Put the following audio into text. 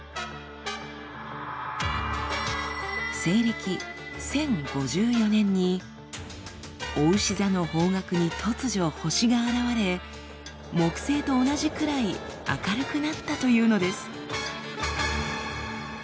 西暦１０５４年におうし座の方角に突如星が現れ木星と同じくらい明るくなったというのです。